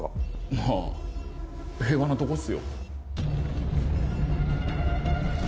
まぁ平和なとこっすよ。